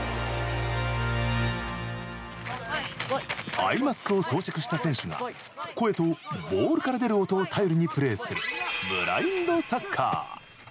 アイマスクを装着した選手が声とボールから出る音を頼りにプレーする、ブラインドサッカー。